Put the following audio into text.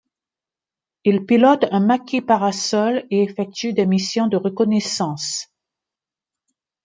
Il pilote un Macchi Parasol et effectue des missions de reconnaissance.